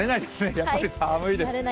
やっぱり寒いです。